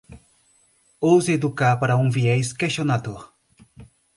Ouse educar para um viés questionador